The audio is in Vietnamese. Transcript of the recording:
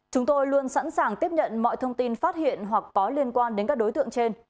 chúng tôi luôn sẵn sàng tiếp nhận mọi thông tin phát hiện hoặc có liên quan đến các đối tượng trên